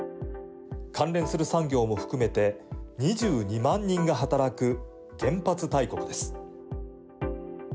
関連する産業も含めて２２万人が働く原発大国です。